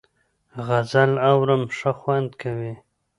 غزل اورم ښه خوند کوي .